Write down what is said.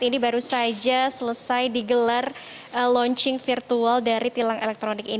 ini baru saja selesai digelar launching virtual dari tilang elektronik ini